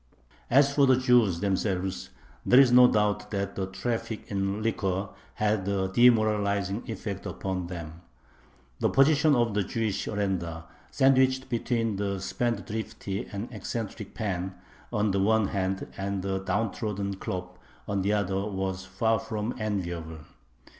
As for the Jews themselves, there is no doubt that the traffic in liquor had a demoralizing effect upon them. The position of the Jewish arendar, sandwiched between the spendthrifty and eccentric pan, on the one hand, and the downtrodden khlop, on the other, was far from enviable.